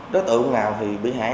đối tượng nào thì bị hại